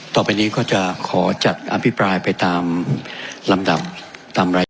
ต่อไปนี้ก็จะขอจัดอภิปรายไปตามลำดับตามราย